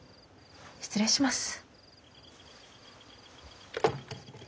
失礼します。